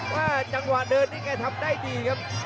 ว่าจังหวะเดินนี้แกทำได้ดีครับ